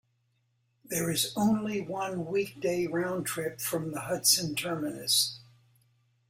There is only one weekday round trip from the Hudson terminus.